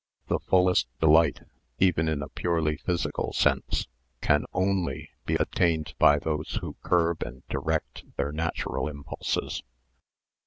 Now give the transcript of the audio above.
The fullest delight, even in a purely physical sense, can only be attained by those who curb and direct their natural impulses.